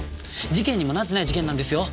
事件にもなってない事件なんですよ。